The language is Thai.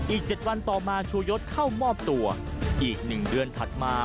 อีก๗วันต่อมาชูยศเข้ามอบตัวอีก๑เดือนถัดมา